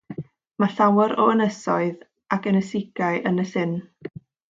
Mae llawer o ynysoedd ac ynysigau yn y llyn.